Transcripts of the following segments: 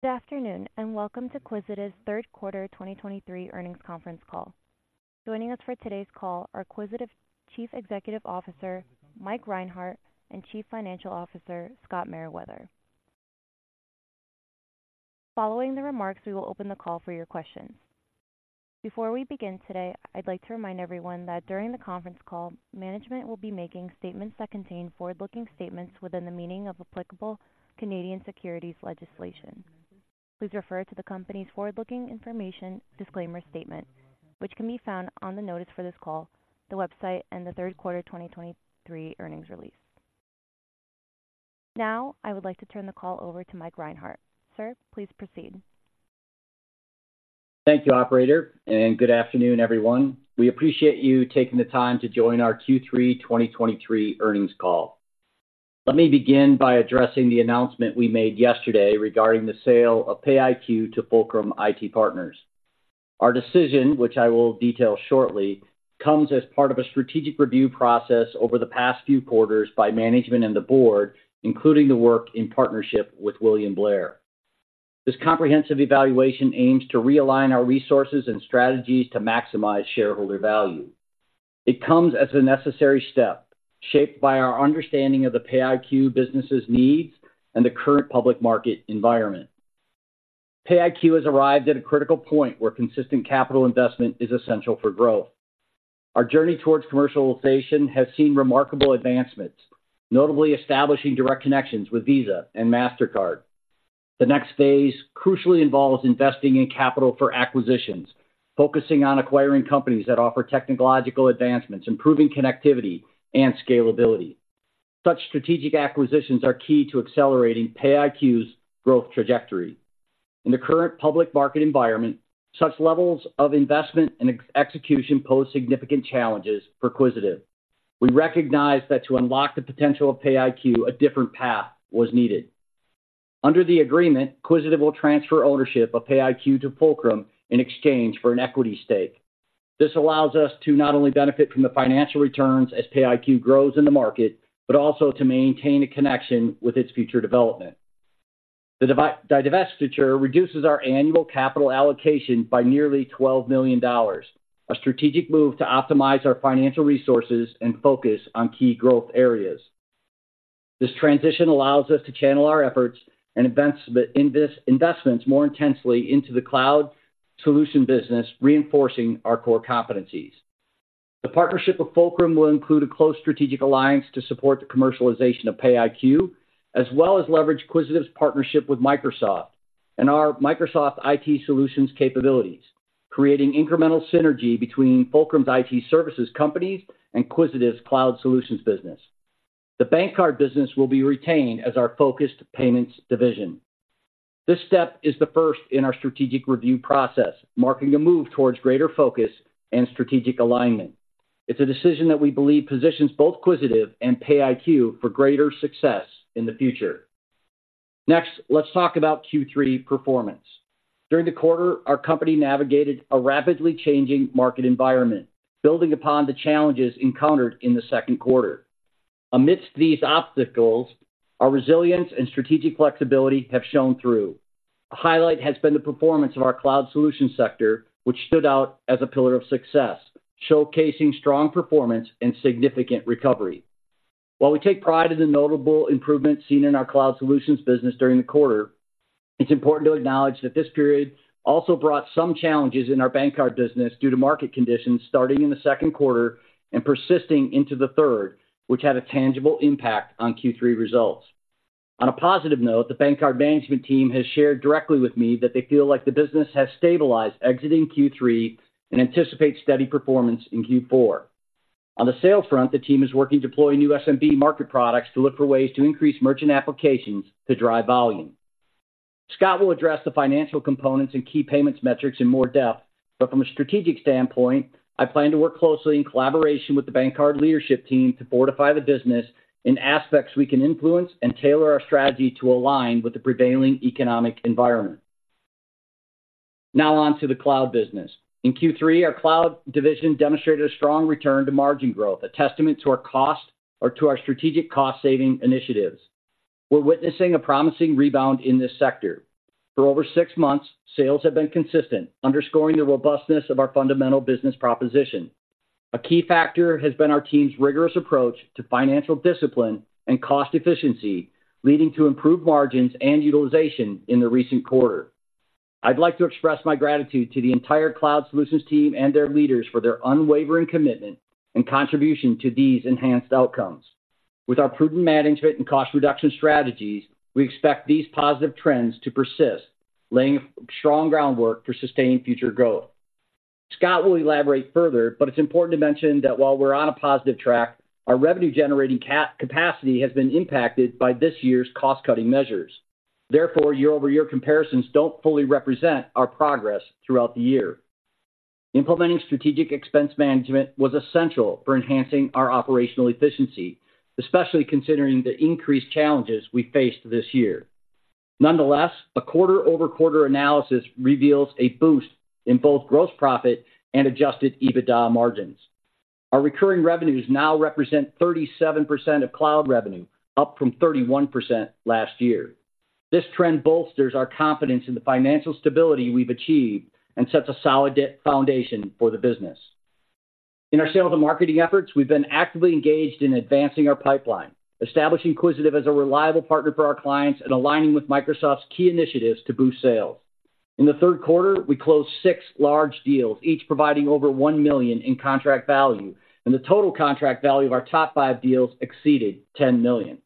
Good afternoon, and welcome to Quisitive's third quarter 2023 earnings conference call. Joining us for today's call are Quisitive Chief Executive Officer, Mike Reinhart, and Chief Financial Officer, Scott Meriwether. Following the remarks, we will open the call for your questions. Before we begin today, I'd like to remind everyone that during the conference call, management will be making statements that contain forward-looking statements within the meaning of applicable Canadian securities legislation. Please refer to the company's forward-looking information disclaimer statement, which can be found on the notice for this call, the website, and the third quarter 2023 earnings release. Now, I would like to turn the call over to Mike Reinhart. Sir, please proceed. Thank you, operator, and good afternoon, everyone. We appreciate you taking the time to join our Q3 2023 earnings call. Let me begin by addressing the announcement we made yesterday regarding the sale of PayiQ to Fulcrum IT Partners. Our decision, which I will detail shortly, comes as part of a strategic review process over the past few quarters by management and the board, including the work in partnership with William Blair. This comprehensive evaluation aims to realign our resources and strategies to maximize shareholder value. It comes as a necessary step, shaped by our understanding of the PayiQ business' needs and the current public market environment. PayiQ has arrived at a critical point where consistent capital investment is essential for growth. Our journey towards commercialization has seen remarkable advancements, notably establishing direct connections with Visa and Mastercard. The next phase crucially involves investing in capital for acquisitions, focusing on acquiring companies that offer technological advancements, improving connectivity and scalability. Such strategic acquisitions are key to accelerating PayiQ's growth trajectory. In the current public market environment, such levels of investment and execution pose significant challenges for Quisitive. We recognize that to unlock the potential of PayiQ, a different path was needed. Under the agreement, Quisitive will transfer ownership of PayiQ to Fulcrum in exchange for an equity stake. This allows us to not only benefit from the financial returns as PayiQ grows in the market, but also to maintain a connection with its future development. The divestiture reduces our annual capital allocation by nearly $12 million, a strategic move to optimize our financial resources and focus on key growth areas. This transition allows us to channel our efforts and investments more intensely into the cloud solution business, reinforcing our core competencies. The partnership with Fulcrum will include a close strategic alliance to support the commercialization of PayiQ, as well as leverage Quisitive's partnership with Microsoft and our Microsoft IT solutions capabilities, creating incremental synergy between Fulcrum's IT services companies and Quisitive's cloud solutions business. The BankCard business will be retained as our focused payments division. This step is the first in our strategic review process, marking a move towards greater focus and strategic alignment. It's a decision that we believe positions both Quisitive and PayiQ for greater success in the future. Next, let's talk about Q3 performance. During the quarter, our company navigated a rapidly changing market environment, building upon the challenges encountered in the second quarter. Amidst these obstacles, our resilience and strategic flexibility have shown through. A highlight has been the performance of our cloud solutions sector, which stood out as a pillar of success, showcasing strong performance and significant recovery. While we take pride in the notable improvements seen in our cloud solutions business during the quarter, it's important to acknowledge that this period also brought some challenges in our BankCard business due to market conditions starting in the second quarter and persisting into the third, which had a tangible impact on Q3 results. On a positive note, the BankCard management team has shared directly with me that they feel like the business has stabilized exiting Q3 and anticipates steady performance in Q4. On the sales front, the team is working to deploy new SMB market products to look for ways to increase merchant applications to drive volume. Scott will address the financial components and key payments metrics in more depth, but from a strategic standpoint, I plan to work closely in collaboration with the BankCard leadership team to fortify the business in aspects we can influence and tailor our strategy to align with the prevailing economic environment. Now on to the cloud business. In Q3, our cloud division demonstrated a strong return to margin growth, a testament to our cost or to our strategic cost-saving initiatives. We're witnessing a promising rebound in this sector. For over six months, sales have been consistent, underscoring the robustness of our fundamental business proposition. A key factor has been our team's rigorous approach to financial discipline and cost efficiency, leading to improved margins and utilization in the recent quarter. I'd like to express my gratitude to the entire cloud solutions team and their leaders for their unwavering commitment and contribution to these enhanced outcomes. With our prudent management and cost reduction strategies, we expect these positive trends to persist, laying strong groundwork for sustained future growth. Scott will elaborate further, but it's important to mention that while we're on a positive track, our revenue-generating capacity has been impacted by this year's cost-cutting measures. Therefore, year-over-year comparisons don't fully represent our progress throughout the year. Implementing strategic expense management was essential for enhancing our operational efficiency, especially considering the increased challenges we faced this year. Nonetheless, a quarter-over-quarter analysis reveals a boost in both gross profit and Adjusted EBITDA margins. Our recurring revenues now represent 37% of cloud revenue, up from 31% last year. This trend bolsters our confidence in the financial stability we've achieved and sets a solid foundation for the business. In our sales and marketing efforts, we've been actively engaged in advancing our pipeline, establishing Quisitive as a reliable partner for our clients, and aligning with Microsoft's key initiatives to boost sales. In the third quarter, we closed six large deals, each providing over $1 million in contract value, and the total contract value of our top five deals exceeded $10 million.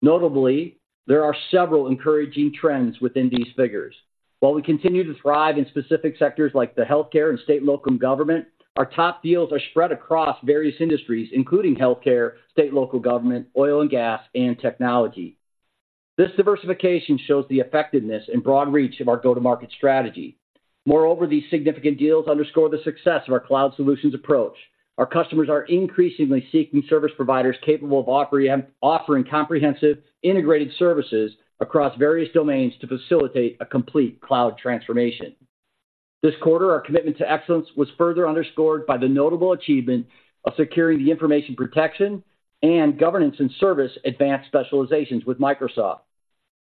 Notably, there are several encouraging trends within these figures. While we continue to thrive in specific sectors like the healthcare and state and local government, our top deals are spread across various industries, including healthcare, state and local government, oil and gas, and technology. This diversification shows the effectiveness and broad reach of our go-to-market strategy. Moreover, these significant deals underscore the success of our cloud solutions approach. Our customers are increasingly seeking service providers capable of offering comprehensive, integrated services across various domains to facilitate a complete cloud transformation. This quarter, our commitment to excellence was further underscored by the notable achievement of securing the Information Protection and Governance and service advanced specializations with Microsoft.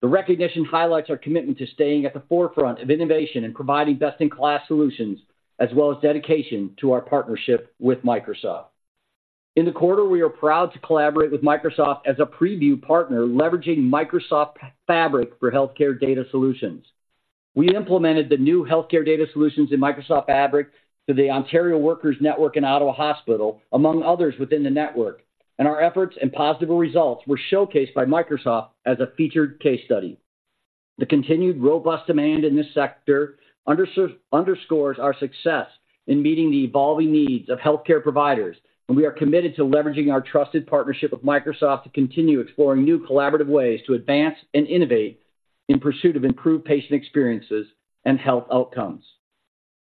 The recognition highlights our commitment to staying at the forefront of innovation and providing best-in-class solutions, as well as dedication to our partnership with Microsoft. In the quarter, we are proud to collaborate with Microsoft as a preview partner, leveraging Microsoft Fabric for healthcare data solutions. We implemented the new healthcare data solutions in Microsoft Fabric to the Ontario Workers Network and Ottawa Hospital, among others within the network, and our efforts and positive results were showcased by Microsoft as a featured case study. The continued robust demand in this sector underscores our success in meeting the evolving needs of healthcare providers, and we are committed to leveraging our trusted partnership with Microsoft to continue exploring new collaborative ways to advance and innovate in pursuit of improved patient experiences and health outcomes.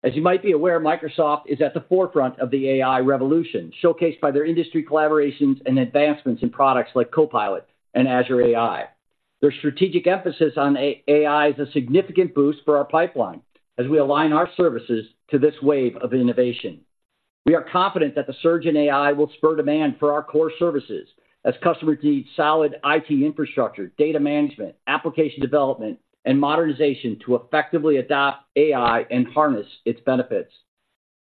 As you might be aware, Microsoft is at the forefront of the AI revolution, showcased by their industry collaborations and advancements in products like Copilot and Azure AI. Their strategic emphasis on AI is a significant boost for our pipeline as we align our services to this wave of innovation. We are confident that the surge in AI will spur demand for our core services as customers need solid IT infrastructure, data management, application development, and modernization to effectively adopt AI and harness its benefits.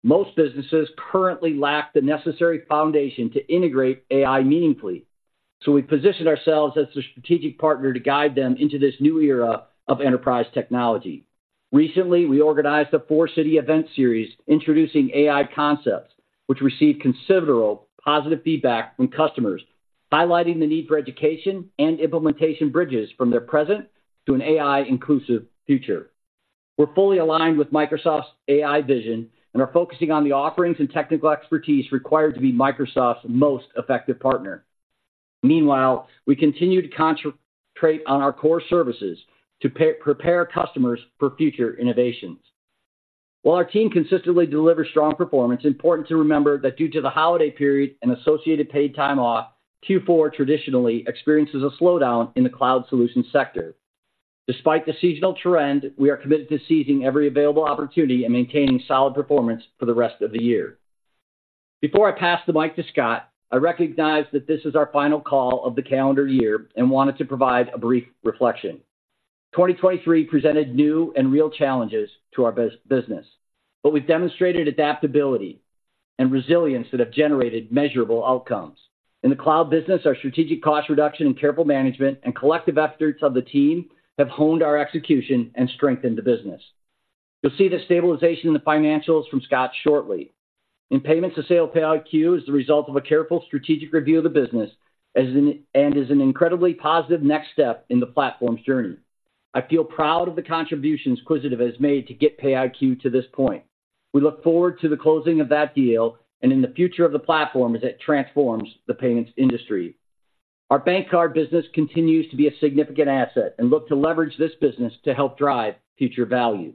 Most businesses currently lack the necessary foundation to integrate AI meaningfully, so we positioned ourselves as a strategic partner to guide them into this new era of enterprise technology. Recently, we organized a four-city event series introducing AI concepts, which received considerable positive feedback from customers, highlighting the need for education and implementation bridges from their present to an AI-inclusive future. We're fully aligned with Microsoft's AI vision and are focusing on the offerings and technical expertise required to be Microsoft's most effective partner. Meanwhile, we continue to concentrate on our core services to prepare customers for future innovations. While our team consistently delivers strong performance, it's important to remember that due to the holiday period and associated paid time off, Q4 traditionally experiences a slowdown in the cloud solutions sector. Despite the seasonal trend, we are committed to seizing every available opportunity and maintaining solid performance for the rest of the year. Before I pass the mic to Scott, I recognize that this is our final call of the calendar year and wanted to provide a brief reflection. 2023 presented new and real challenges to our business, but we've demonstrated adaptability and resilience that have generated measurable outcomes. In the cloud business, our strategic cost reduction and careful management and collective efforts of the team have honed our execution and strengthened the business. You'll see the stabilization in the financials from Scott shortly. In payments, the sale of PayiQ as a result of a careful strategic review of the business, and is an incredibly positive next step in the platform's journey. I feel proud of the contributions Quisitive has made to get PayiQ to this point. We look forward to the closing of that deal and in the future of the platform as it transforms the payments industry. Our BankCard business continues to be a significant asset and look to leverage this business to help drive future value.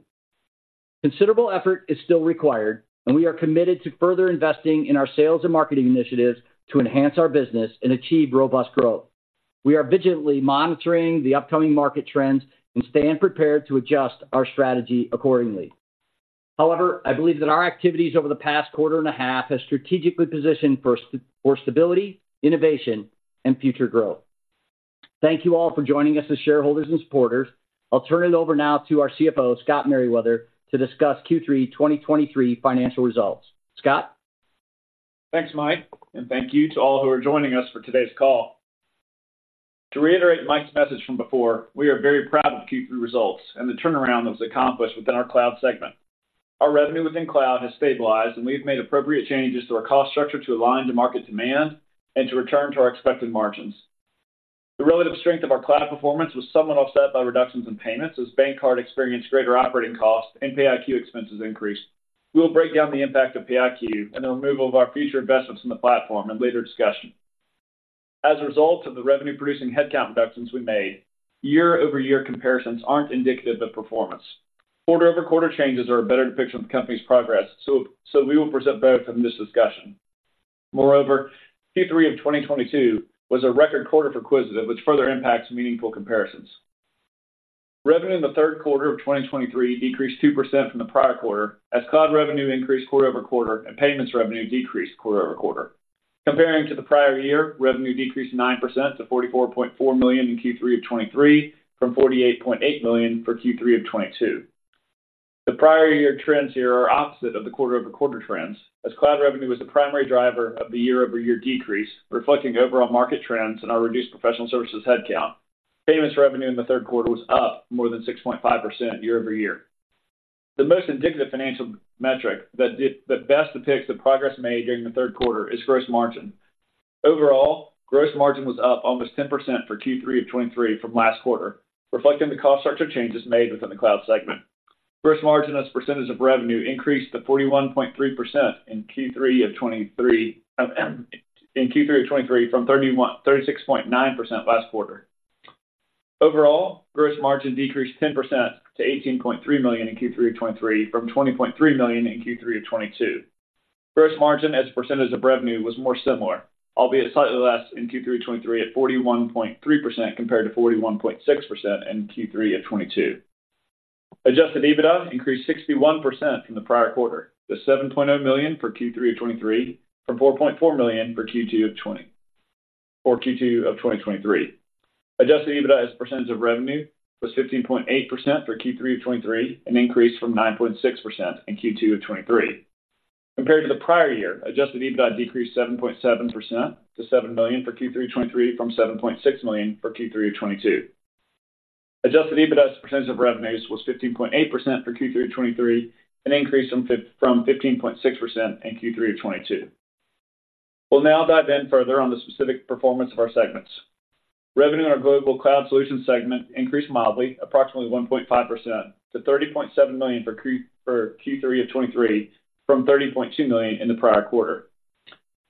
Considerable effort is still required, and we are committed to further investing in our sales and marketing initiatives to enhance our business and achieve robust growth. We are vigilantly monitoring the upcoming market trends and stand prepared to adjust our strategy accordingly. However, I believe that our activities over the past quarter and a half have strategically positioned for stability, innovation, and future growth. Thank you all for joining us as shareholders and supporters. I'll turn it over now to our CFO, Scott Meriwether, to discuss Q3 2023 financial results. Scott? Thanks, Mike, and thank you to all who are joining us for today's call. To reiterate Mike's message from before, we are very proud of the Q3 results and the turnaround that was accomplished within our cloud segment. Our revenue within cloud has stabilized, and we've made appropriate changes to our cost structure to align to market demand and to return to our expected margins. The relative strength of our cloud performance was somewhat offset by reductions in payments as BankCard experienced greater operating costs and PayiQ expenses increased. We will break down the impact of PayiQ and the removal of our future investments in the platform in later discussion. As a result of the revenue-producing headcount reductions we made, year-over-year comparisons aren't indicative of performance. Quarter-over-quarter changes are a better depiction of the company's progress, so we will present both in this discussion. Moreover, Q3 of 2022 was a record quarter for Quisitive, which further impacts meaningful comparisons. Revenue in the third quarter of 2023 decreased 2% from the prior quarter, as cloud revenue increased quarter-over-quarter and payments revenue decreased quarter-over-quarter. Comparing to the prior year, revenue decreased 9% to $44.4 million in Q3 of 2023, from $48.8 million for Q3 of 2022. The prior year trends here are opposite of the quarter-over-quarter trends, as cloud revenue was the primary driver of the year-over-year decrease, reflecting overall market trends and our reduced professional services headcount. Payments revenue in the third quarter was up more than 6.5% year-over-year. The most indicative financial metric that best depicts the progress made during the third quarter is gross margin. Overall, gross margin was up almost 10% for Q3 of 2023 from last quarter, reflecting the cost structure changes made within the cloud segment. Gross margin as a percentage of revenue increased to 41.3% in Q3 of 2023, from 36.9% last quarter. Overall, gross margin decreased 10% to $18.3 million in Q3 of 2023, from $20.3 million in Q3 of 2022. Gross margin as a percentage of revenue was more similar, albeit slightly less in Q3 of 2023 at 41.3%, compared to 41.6% in Q3 of 2022. Adjusted EBITDA increased 61% from the prior quarter, to $7.0 million for Q3 of 2023, from $4.4 million for Q2 of 2023. Adjusted EBITDA as a percentage of revenue was 15.8% for Q3 of 2023, an increase from 9.6% in Q2 of 2023. Compared to the prior year, adjusted EBITDA decreased 7.7% to $7 million for Q3 2023, from $7.6 million for Q3 of 2022. Adjusted EBITDA as a percentage of revenues was 15.8% for Q3 of 2023, an increase from 15.6% in Q3 of 2022. We'll now dive in further on the specific performance of our segments. Revenue in our Global Cloud Solutions segment increased mildly, approximately 1.5%, to $30.7 million for Q3 of 2023, from $30.2 million in the prior quarter.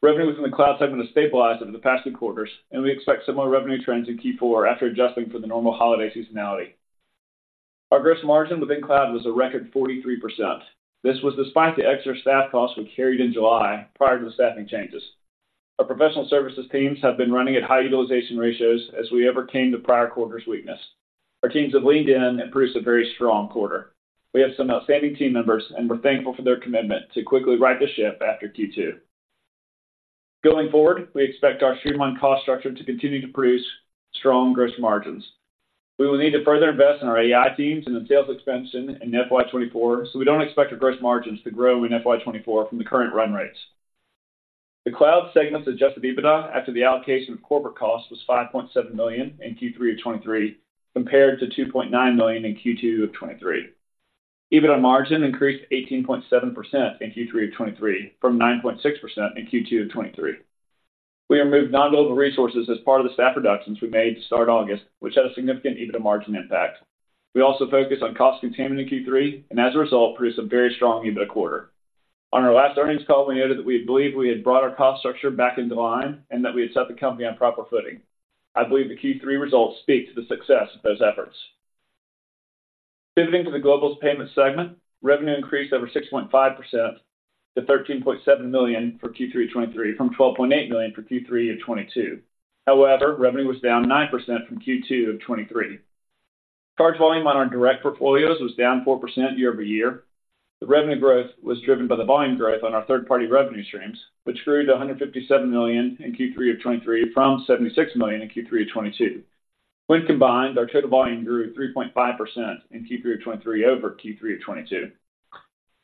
Revenue within the cloud segment has stabilized over the past two quarters, and we expect similar revenue trends in Q4 after adjusting for the normal holiday seasonality. Our gross margin within cloud was a record 43%. This was despite the extra staff costs we carried in July prior to the staffing changes. Our professional services teams have been running at high utilization ratios as we overcame the prior quarter's weakness. Our teams have leaned in and produced a very strong quarter. We have some outstanding team members, and we're thankful for their commitment to quickly right the ship after Q2. Going forward, we expect our streamlined cost structure to continue to produce strong gross margins. We will need to further invest in our AI teams and the sales expansion in FY 2024, so we don't expect our gross margins to grow in FY 2024 from the current run rates. The cloud segment's adjusted EBITDA after the allocation of corporate costs was 5.7 million in Q3 of 2023, compared to 2.9 million in Q2 of 2023. EBITDA margin increased to 18.7% in Q3 of 2023, from 9.6% in Q2 of 2023. We removed non-global resources as part of the staff reductions we made to start August, which had a significant EBITDA margin impact. We also focused on cost containment in Q3, and as a result, produced a very strong EBITDA quarter. On our last earnings call, we noted that we believed we had brought our cost structure back into line and that we had set the company on proper footing. I believe the Q3 results speak to the success of those efforts. Pivoting to the global payment segment, revenue increased over 6.5% to $13.7 million for Q3 of 2023, from $12.8 million for Q3 of 2022. However, revenue was down 9% from Q2 of 2023. Charge volume on our direct portfolios was down 4% year-over-year. The revenue growth was driven by the volume growth on our third-party revenue streams, which grew to $157 million in Q3 of 2023, from $76 million in Q3 of 2022. When combined, our total volume grew 3.5% in Q3 of 2023 over Q3 of 2022.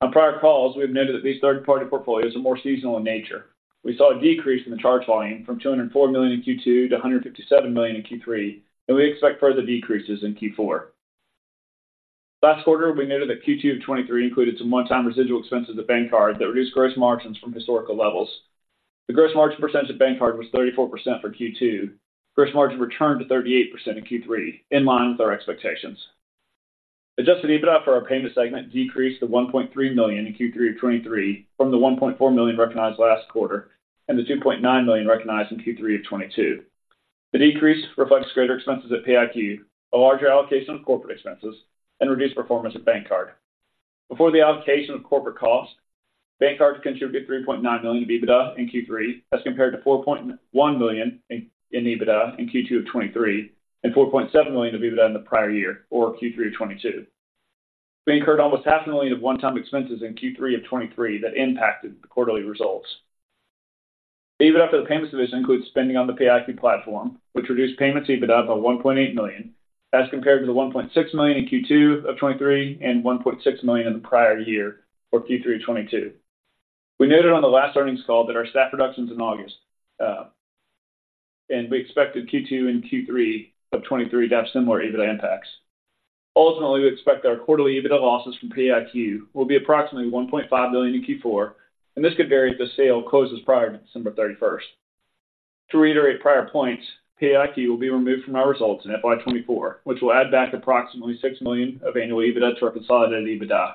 On prior calls, we've noted that these third-party portfolios are more seasonal in nature. We saw a decrease in the charge volume from $204 million in Q2 to $157 million in Q3, and we expect further decreases in Q4. Last quarter, we noted that Q2 of 2023 included some one-time residual expenses at BankCard that reduced gross margins from historical levels. The gross margin percentage at BankCard was 34% for Q2. Gross margin returned to 38% in Q3, in line with our expectations. Adjusted EBITDA for our payment segment decreased to $1.3 million in Q3 of 2023 from the $1.4 million recognized last quarter, and the $2.9 million recognized in Q3 of 2022. The decrease reflects greater expenses at PayiQ, a larger allocation of corporate expenses, and reduced performance at BankCard. Before the allocation of corporate costs, BankCard contributed $3.9 million of EBITDA in Q3, as compared to $4.1 million in EBITDA in Q2 of 2023, and $4.7 million of EBITDA in the prior year, or Q3 of 2022. We incurred almost $0.5 million of one-time expenses in Q3 of 2023 that impacted the quarterly results. EBITDA for the payments division includes spending on the PayiQ platform, which reduced payments EBITDA by $1.8 million, as compared to the $1.6 million in Q2 of 2023 and $1.6 million in the prior year for Q3 of 2022. We noted on the last earnings call that our staff reductions in August, and we expected Q2 and Q3 of 2023 to have similar EBITDA impacts. Ultimately, we expect our quarterly EBITDA losses from PayiQ will be approximately $1.5 million in Q4, and this could vary if the sale closes prior to December 31. To reiterate prior points, PayiQ will be removed from our results in FY 2024, which will add back approximately $6 million of annual EBITDA to our consolidated EBITDA.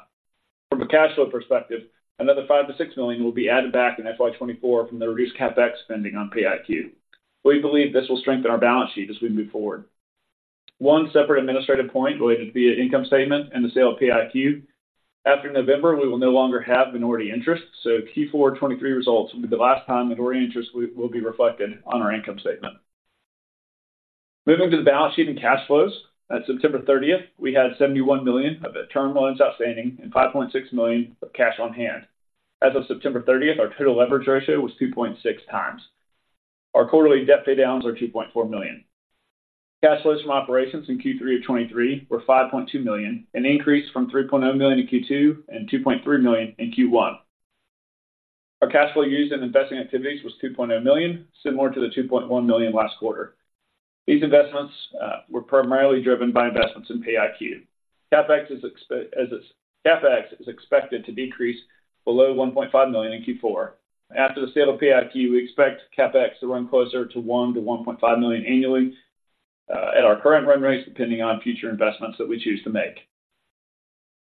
From a cash flow perspective, another $5-6 million will be added back in FY 2024 from the reduced CapEx spending on PayiQ. We believe this will strengthen our balance sheet as we move forward. One separate administrative point related to the income statement and the sale of PayiQ... After November, we will no longer have minority interest, so Q4 2023 results will be the last time minority interest will be reflected on our income statement. Moving to the balance sheet and cash flows. At September 30, we had $71 million of term loans outstanding and $5.6 million of cash on hand. As of September 30, our total leverage ratio was 2.6x. Our quarterly debt paydowns are $2.4 million. Cash flows from operations in Q3 of 2023 were 5.2 million, an increase from 3.0 million in Q2 and 2.3 million in Q1. Our cash flow used in investing activities was 2.0 million, similar to the 2.1 million last quarter. These investments were primarily driven by investments in PayiQ. CapEx is expected to decrease below 1.5 million in Q4. After the sale of PayiQ, we expect CapEx to run closer to 1 million-1.5 million annually at our current run rates, depending on future investments that we choose to make.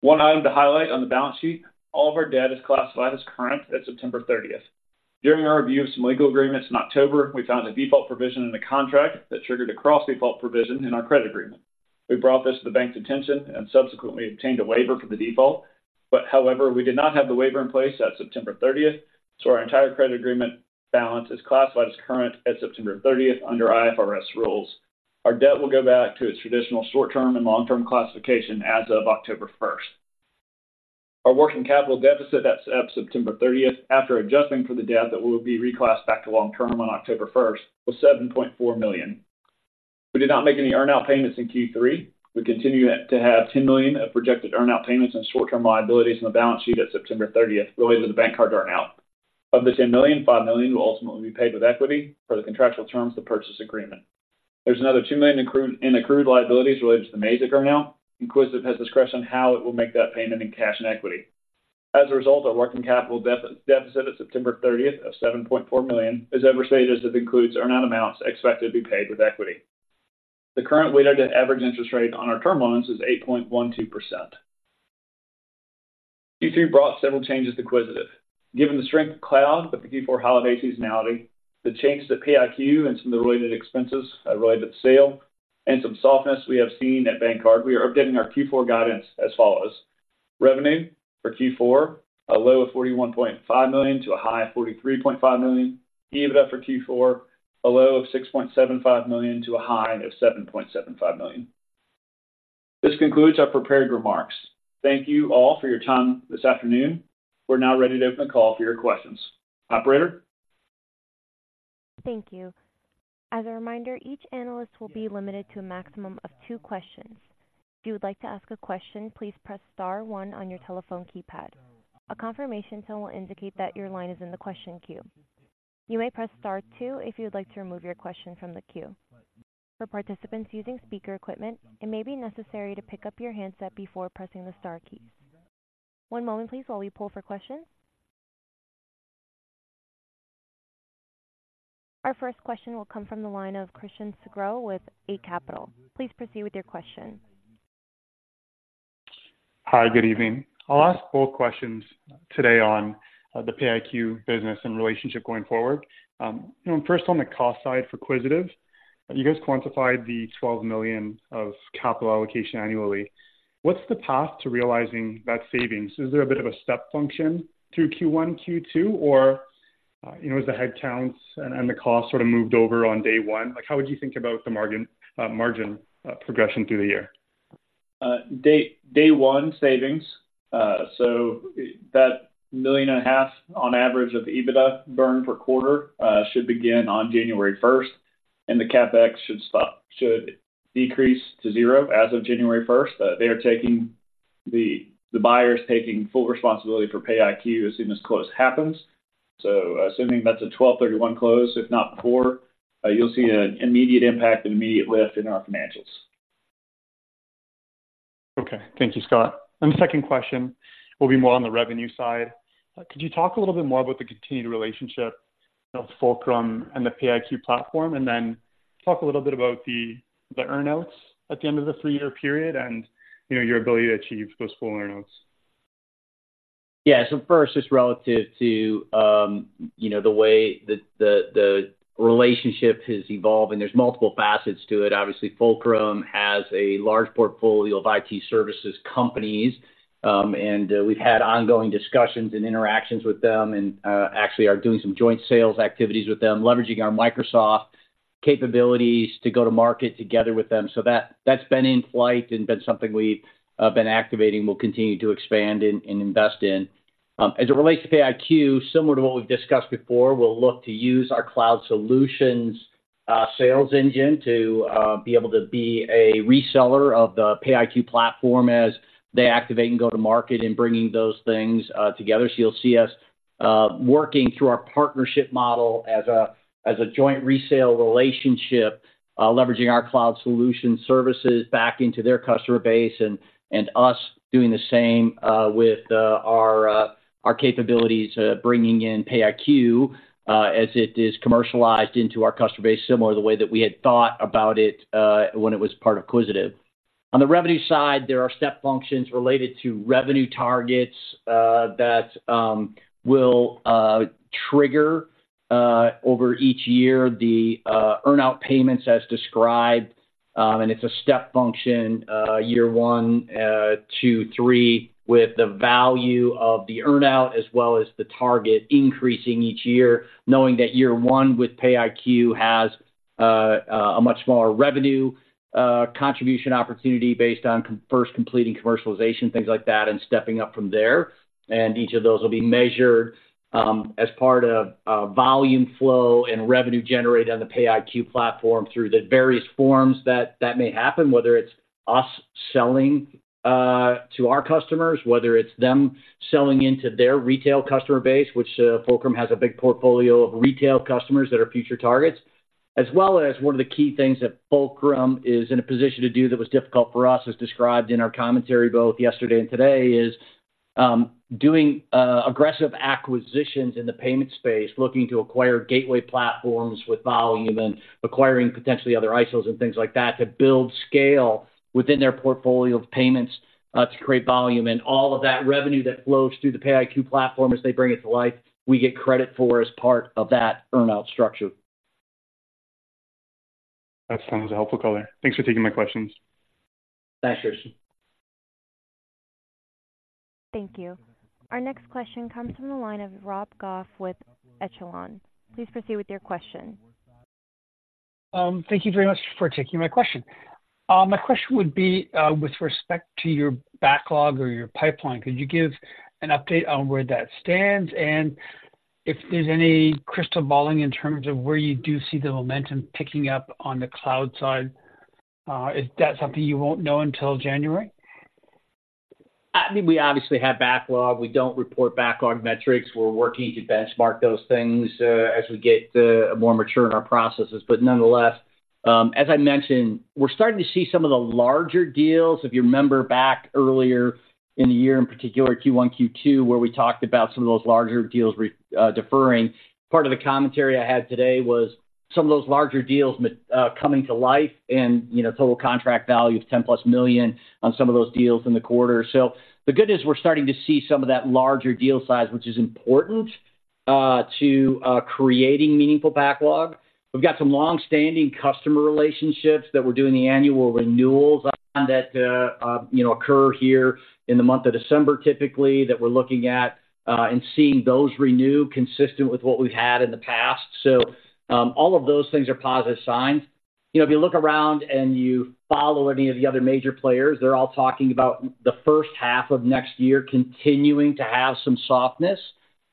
One item to highlight on the balance sheet, all of our debt is classified as current at September 30. During our review of some legal agreements in October, we found a default provision in the contract that triggered a Cross Default Provision in our credit agreement. We brought this to the bank's attention and subsequently obtained a waiver for the default. However, we did not have the waiver in place at September thirtieth, so our entire credit agreement balance is classified as current at September thirtieth under IFRS rules. Our debt will go back to its traditional short-term and long-term classification as of October first. Our working capital deficit at September thirtieth, after adjusting for the debt that will be reclassed back to long-term on October first, was 7.4 million. We did not make any earn-out payments in Q3. We continue to have 10 million of projected earn-out payments and short-term liabilities on the balance sheet at September thirtieth related to the BankCard earn-out. Of the 10 million, 5 million will ultimately be paid with equity per the contractual terms of the purchase agreement. There's another 2 million in accrued liabilities related to the Mazik earn-out. Quisitive has discretion how it will make that payment in cash and equity. As a result, our working capital deficit at September 30th of 7.4 million is overstated, as it includes earn-out amounts expected to be paid with equity. The current weighted average interest rate on our term loans is 8.12%. Q3 brought several changes to Quisitive. Given the strength of cloud with the Q4 holiday seasonality, the change to PayiQ and some of the related expenses, related to the sale, and some softness we have seen at BankCard, we are updating our Q4 guidance as follows: Revenue for Q4, a low of 41.5 million to a high of 43.5 million. EBITDA for Q4, a low of 6.75 million to a high of 7.75 million. This concludes our prepared remarks. Thank you all for your time this afternoon. We're now ready to open the call for your questions. Operator? Thank you. As a reminder, each analyst will be limited to a maximum of two questions. If you would like to ask a question, please press star one on your telephone keypad. A confirmation tone will indicate that your line is in the question queue. You may press Star two if you would like to remove your question from the queue. For participants using speaker equipment, it may be necessary to pick up your handset before pressing the star keys. One moment, please, while we pull for questions. Our first question will come from the line of Christian Sgro with Eight Capital. Please proceed with your question. Hi, good evening. I'll ask both questions today on the PayiQ business and relationship going forward. First, on the cost side for Quisitive, you guys quantified the 12 million of capital allocation annually. What's the path to realizing that savings? Is there a bit of a step function through Q1, Q2, or you know, as the headcounts and the costs sort of moved over on day one? Like, how would you think about the margin progression through the year? Day one savings, so that $1.5 million on average of EBITDA burn per quarter should begin on January first, and the CapEx should stop- should decrease to zero as of January first. They are taking... The buyer is taking full responsibility for PayiQ as soon as close happens. So assuming that's a 12/31 close, if not before, you'll see an immediate impact and immediate lift in our financials. Okay. Thank you, Scott. And the second question will be more on the revenue side. Could you talk a little bit more about the continued relationship of Fulcrum and the PayiQ platform, and then talk a little bit about the, the earn-outs at the end of the three-year period and, you know, your ability to achieve those full earn-outs? Yeah. So first, just relative to, you know, the way the relationship has evolved, and there's multiple facets to it. Obviously, Fulcrum has a large portfolio of IT services companies, and we've had ongoing discussions and interactions with them and actually are doing some joint sales activities with them, leveraging our Microsoft capabilities to go to market together with them. So that, that's been in flight and been something we've been activating, we'll continue to expand and invest in. As it relates to PayiQ, similar to what we've discussed before, we'll look to use our cloud solutions sales engine to be able to be a reseller of the PayiQ platform as they activate and go to market in bringing those things together. So you'll see us working through our partnership model as a joint resale relationship, leveraging our cloud solution services back into their customer base and us doing the same with our capabilities, bringing in PayiQ as it is commercialized into our customer base, similar to the way that we had thought about it when it was part of Quisitive. On the revenue side, there are step functions related to revenue targets that will trigger over each year, the earn-out payments as described.... And it's a step function, year 1, 2, 3, with the value of the earn-out, as well as the target increasing each year, knowing that year 1 with PayiQ has a much smaller revenue contribution opportunity based on first completing commercialization, things like that, and stepping up from there. Each of those will be measured as part of a volume flow and revenue generated on the PayiQ platform through the various forms that may happen, whether it's us selling to our customers, whether it's them selling into their retail customer base, which Fulcrum has a big portfolio of retail customers that are future targets. As well as one of the key things that Fulcrum is in a position to do that was difficult for us, as described in our commentary both yesterday and today, is doing aggressive acquisitions in the payment space, looking to acquire gateway platforms with volume and acquiring potentially other ISOs and things like that, to build scale within their portfolio of payments, to create volume. And all of that revenue that flows through the PayiQ platform as they bring it to life, we get credit for as part of that earn-out structure. That sounds like helpful color. Thanks for taking my questions. Thanks, Christian. Thank you. Our next question comes from the line of Rob Goff with Echelon. Please proceed with your question. Thank you very much for taking my question. My question would be, with respect to your backlog or your pipeline, could you give an update on where that stands? And if there's any crystal balling in terms of where you do see the momentum picking up on the cloud side, is that something you won't know until January? I mean, we obviously have backlog. We don't report backlog metrics. We're working to benchmark those things as we get more mature in our processes. But nonetheless, as I mentioned, we're starting to see some of the larger deals. If you remember back earlier in the year, in particular, Q1, Q2, where we talked about some of those larger deals deferring, part of the commentary I had today was some of those larger deals coming to life and, you know, total contract value of 10+ million on some of those deals in the quarter. So the good news, we're starting to see some of that larger deal size, which is important to creating meaningful backlog. We've got some long-standing customer relationships that we're doing the annual renewals on that, you know, occur here in the month of December, typically, that we're looking at, and seeing those renew consistent with what we've had in the past. So, all of those things are positive signs. You know, if you look around and you follow any of the other major players, they're all talking about the first half of next year continuing to have some softness.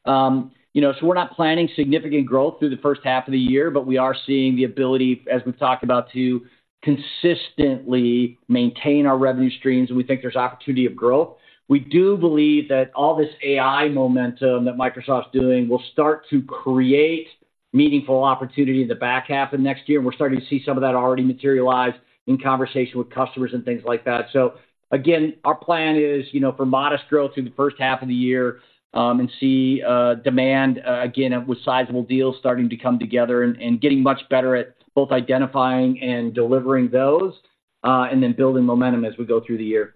You know, so we're not planning significant growth through the first half of the year, but we are seeing the ability, as we've talked about, to consistently maintain our revenue streams, and we think there's opportunity of growth. We do believe that all this AI momentum that Microsoft's doing will start to create meaningful opportunity in the back half of next year, and we're starting to see some of that already materialize in conversation with customers and things like that. So again, our plan is, you know, for modest growth through the first half of the year, and see demand again, with sizable deals starting to come together and getting much better at both identifying and delivering those, and then building momentum as we go through the year.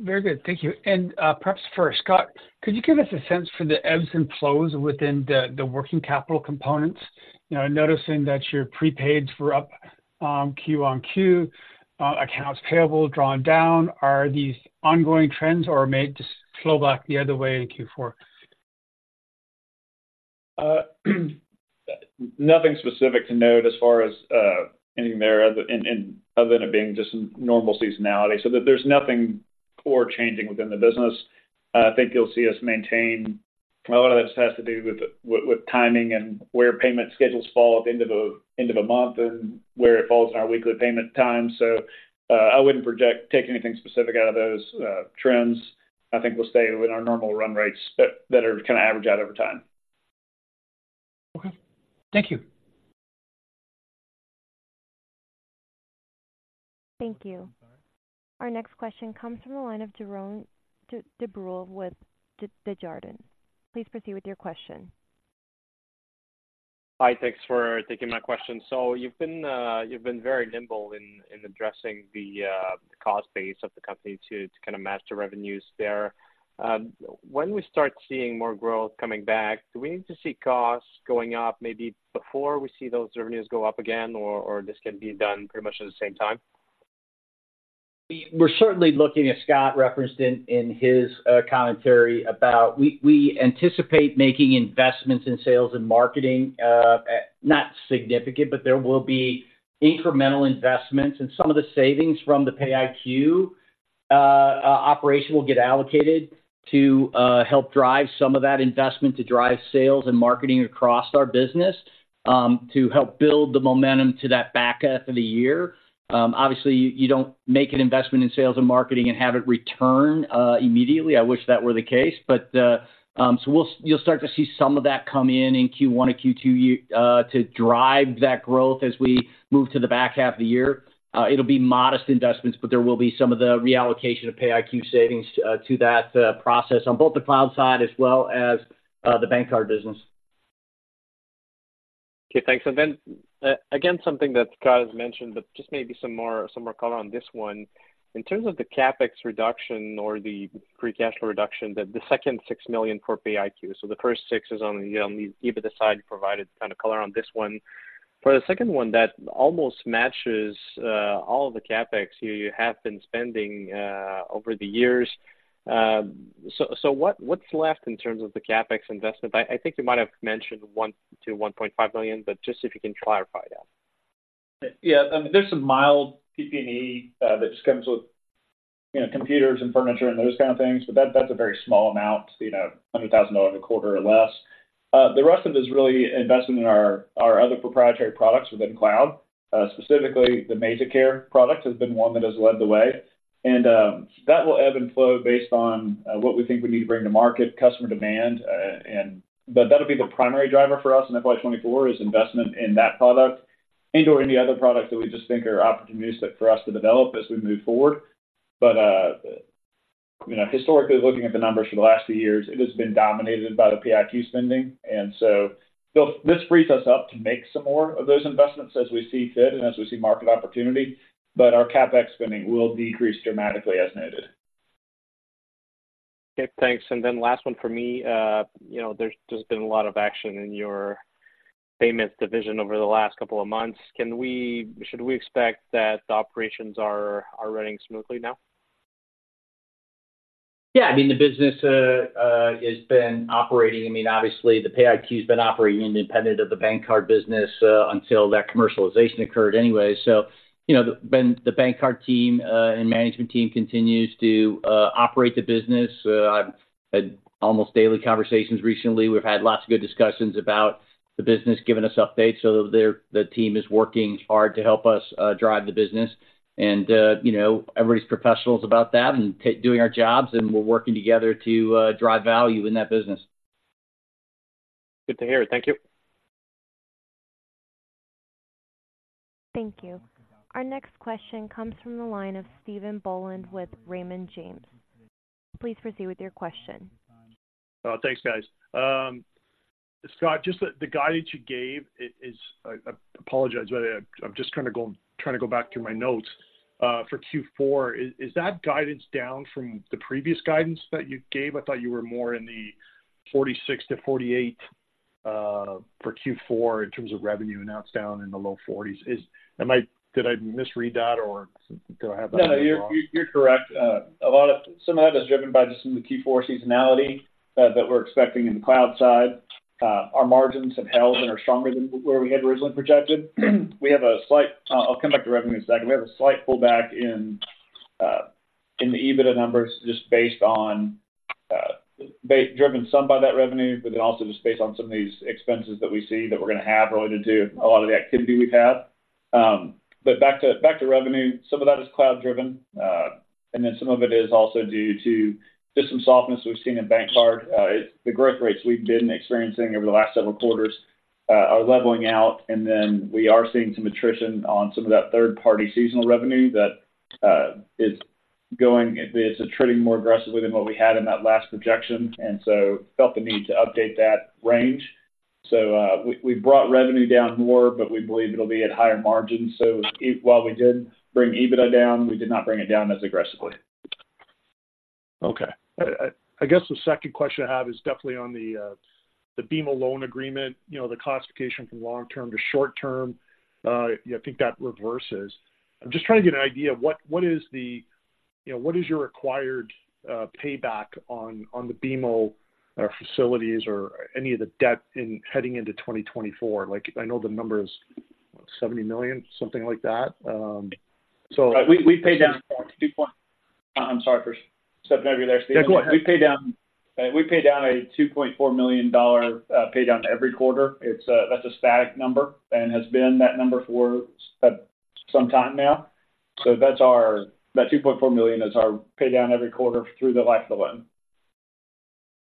Very good. Thank you. And perhaps for Scott, could you give us a sense for the ebbs and flows within the, the working capital components? You know, noticing that your prepaids were up, Q-on-Q, accounts payable drawn down. Are these ongoing trends or may just flow back the other way in Q4? Nothing specific to note as far as anything there other than it being just normal seasonality. So there's nothing core changing within the business. I think you'll see us maintain a lot of this has to do with timing and where payment schedules fall at the end of a month and where it falls in our weekly payment time. So I wouldn't project or take anything specific out of those trends. I think we'll stay within our normal run rates that are kind of average out over time. Okay. Thank you. Thank you. Our next question comes from the line of Jerome Dubreuil with Desjardins. Please proceed with your question. Hi, thanks for taking my question. So you've been very nimble in addressing the cost base of the company to kind of match the revenues there. When we start seeing more growth coming back, do we need to see costs going up maybe before we see those revenues go up again, or this can be done pretty much at the same time? We're certainly looking, as Scott referenced in his commentary about we anticipate making investments in sales and marketing, not significant, but there will be incremental investments and some of the savings from the PayiQ operation will get allocated to help drive some of that investment to drive sales and marketing across our business, to help build the momentum to that back half of the year. Obviously, you don't make an investment in sales and marketing and have it return immediately. I wish that were the case, but, so we'll, you'll start to see some of that come in in Q1 or Q2, to drive that growth as we move to the back half of the year. It'll be modest investments, but there will be some of the reallocation of PayiQ savings to that process on both the cloud side as well as the bank card business. Okay, thanks. Then, again, something that Scott has mentioned, but just maybe some more, some more color on this one. In terms of the CapEx reduction or the free cash flow reduction, the second $6 million for PayiQ. So the first six is on the EBITDA side, you provided kind of color on this one. For the second one, that almost matches all of the CapEx you have been spending over the years. So what's left in terms of the CapEx investment? I think you might have mentioned $1-$1.5 million, but just if you can clarify that. Yeah, there's some mild PP&E that just comes with, you know, computers and furniture and those kind of things, but that's a very small amount, you know, $100,000 a quarter or less. The rest of it is really investment in our other proprietary products within cloud. Specifically, the MazikCare product has been one that has led the way. And, that will ebb and flow based on what we think we need to bring to market, customer demand, but that'll be the primary driver for us in FY 2024, is investment in that product and/or any other products that we just think are opportunities that for us to develop as we move forward. But, you know, historically, looking at the numbers for the last few years, it has been dominated by the PayiQ spending. And so, though this frees us up to make some more of those investments as we see fit and as we see market opportunity, but our CapEx spending will decrease dramatically, as noted. Okay, thanks. And then last one for me. You know, there's just been a lot of action in your payments division over the last couple of months. Can we—should we expect that the operations are, are running smoothly now? Yeah, I mean, the business has been operating. I mean, obviously, the PayiQ has been operating independent of the bank card business until that commercialization occurred anyway. So, you know, then the bank card team and management team continues to operate the business. I've had almost daily conversations recently. We've had lots of good discussions about the business, giving us updates. So, the team is working hard to help us drive the business. And, you know, everybody's professionals about that and take doing our jobs, and we're working together to drive value in that business. Good to hear. Thank you. Thank you. Our next question comes from the line of Stephen Boland with Raymond James. Please proceed with your question. Thanks, guys. Scott, just the guidance you gave is... I apologize, but I'm just trying to go back through my notes. For Q4, is that guidance down from the previous guidance that you gave? I thought you were more in the 46-48 for Q4, in terms of revenue, now it's down in the low 40s. Did I misread that, or do I have that wrong? No, you're, you're correct. A lot of some of that is driven by just some of the Q4 seasonality that we're expecting in the cloud side. Our margins have held and are stronger than where we had originally projected. We have a slight... I'll come back to revenue in a second. We have a slight pullback in in the EBITDA numbers, just based on, driven some by that revenue, but then also just based on some of these expenses that we see that we're going to have related to a lot of the activity we've had. But back to, back to revenue. Some of that is cloud driven, and then some of it is also due to just some softness we've seen in BankCard. It's the growth rates we've been experiencing over the last several quarters are leveling out, and then we are seeing some attrition on some of that third-party seasonal revenue that it's attriting more aggressively than what we had in that last projection, and so felt the need to update that range. So we brought revenue down more, but we believe it'll be at higher margins. So while we did bring EBITDA down, we did not bring it down as aggressively. Okay. I guess the second question I have is definitely on the BMO loan agreement, you know, the classification from long term to short term. I think that reverses. I'm just trying to get an idea of what is the, you know, what is your required payback on the BMO facilities or any of the debt heading into 2024? Like, I know the number is 70 million, something like that, so- We paid down 2 point-- I'm sorry for stepping over you there, Steve. Yeah, go ahead. We paid down, we paid down a $2.4 million dollar pay down every quarter. It's a, That's a static number and has been that number for some time now. So that's our, That $2.4 million is our pay down every quarter through the life of the loan.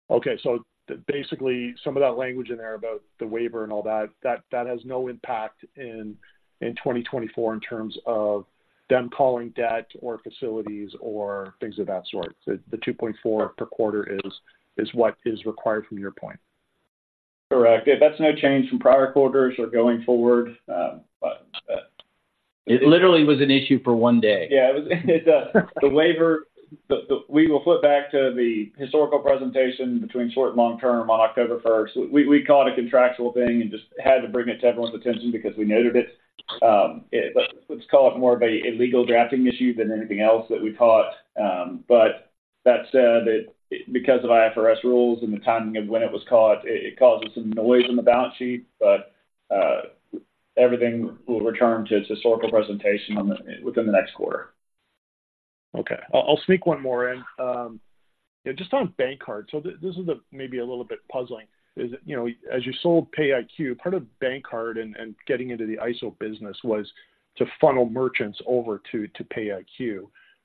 Okay, so basically, some of that language in there about the waiver and all that, that has no impact in 2024 in terms of them calling debt or facilities or things of that sort. So the 2.4 per quarter is what is required from your point? Correct. That's no change from prior quarters or going forward. It literally was an issue for one day. Yeah, it was the waiver. We will flip back to the historical presentation between short and long term on October first. We call it a contractual thing and just had to bring it to everyone's attention because we noted it. But let's call it more of a legal drafting issue than anything else that we caught. But that said, it, because of IFRS rules and the timing of when it was caught, it causes some noise on the balance sheet, but everything will return to its historical presentation within the next quarter. Okay. I'll, I'll sneak one more in. Just on BankCard. So this is maybe a little bit puzzling, you know, as you sold PayiQ, part of BankCard and, and getting into the ISO business was to funnel merchants over to, to PayiQ.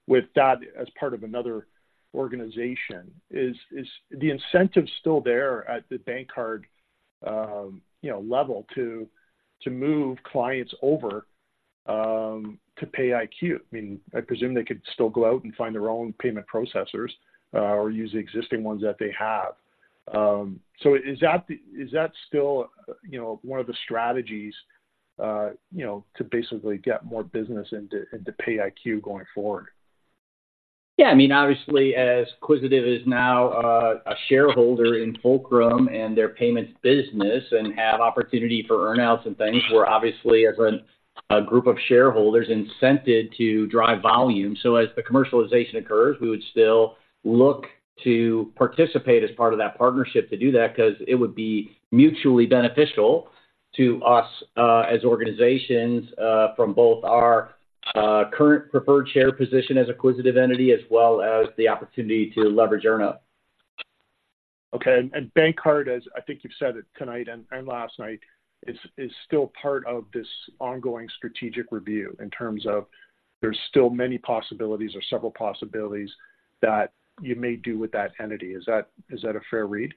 With that, as part of another organization, is the incentive still there at the BankCard, you know, level, to, to move clients over, to PayiQ? I mean, I presume they could still go out and find their own payment processors, or use the existing ones that they have. So is that the- is that still, you know, one of the strategies, you know, to basically get more business into, into PayiQ going forward?... Yeah, I mean, obviously, as Quisitive is now a shareholder in Fulcrum and their payments business and have opportunity for earn-outs and things, we're obviously, as a group of shareholders, incented to drive volume. So as the commercialization occurs, we would still look to participate as part of that partnership to do that because it would be mutually beneficial to us as organizations from both our current preferred share position as a Quisitive entity, as well as the opportunity to leverage earn-out. Okay. And BankCard, as I think you've said it tonight and last night, is still part of this ongoing strategic review in terms of there's still many possibilities or several possibilities that you may do with that entity. Is that a fair read?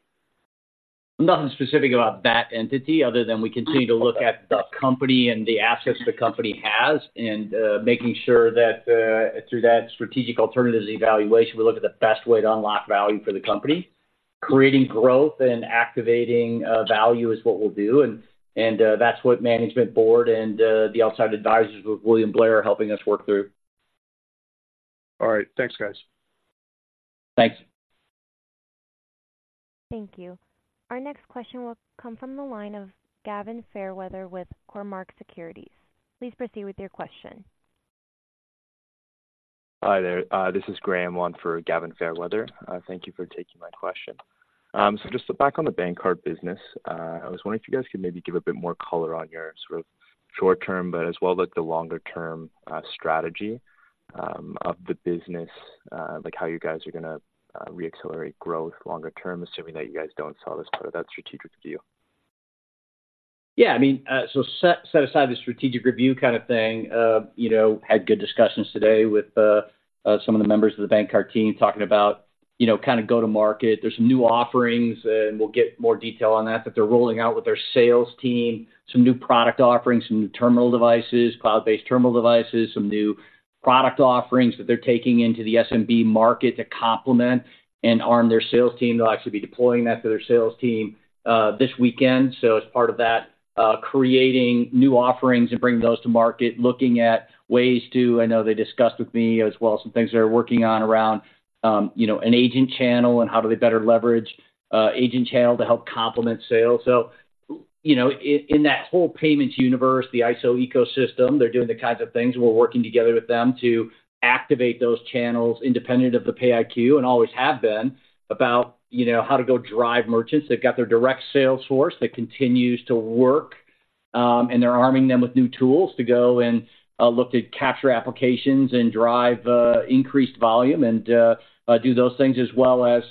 Nothing specific about that entity other than we continue to look at the company and the assets the company has, and making sure that through that strategic alternatives evaluation, we look at the best way to unlock value for the company. Creating growth and activating value is what we'll do, and that's what management board and the outside advisors with William Blair are helping us work through. All right. Thanks, guys. Thanks. Thank you. Our next question will come from the line of Gavin Fairweather with Cormark Securities. Please proceed with your question. Hi there. This is Graham Wong for Gavin Fairweather. Thank you for taking my question. So just back on the BankCard business, I was wondering if you guys could maybe give a bit more color on your sort of short term, but as well, like, the longer term strategy of the business. Like, how you guys are gonna reaccelerate growth longer term, assuming that you guys don't sell this part of that strategic review? Yeah, I mean, so set aside the strategic review kind of thing. You know, had good discussions today with some of the members of the BankCard team talking about, you know, kind of go-to-market. There's some new offerings, and we'll get more detail on that, but they're rolling out with their sales team some new product offerings, some new terminal devices, cloud-based terminal devices, some new product offerings that they're taking into the SMB market to complement and arm their sales team. They'll actually be deploying that to their sales team this weekend. So as part of that, creating new offerings and bringing those to market, looking at ways to... I know they discussed with me as well, some things they're working on around, you know, an agent channel and how do they better leverage agent channel to help complement sales. So, you know, in that whole payments universe, the ISO ecosystem, they're doing the kinds of things. We're working together with them to activate those channels independent of the PayiQ, and always have been, you know, how to go drive merchants. They've got their direct sales force that continues to work, and they're arming them with new tools to go and look to capture applications and drive increased volume and do those things, as well as